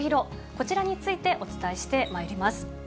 こちらについてお伝えしてまいります。